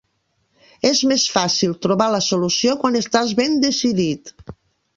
És més fàcil trobar la solució quan estàs ben decidit.